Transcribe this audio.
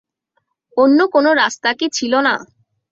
অন্য কোনো রাস্তা কি ছিল না?